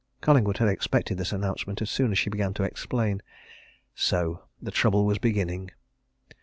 Collingwood had expected this announcement as soon as she began to explain. So the trouble was beginning!